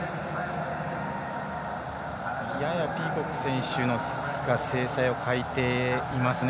ややピーコック選手が精彩を欠いていますね。